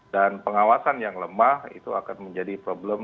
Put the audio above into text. dan pengawasan yang lemah itu akan menjadi problem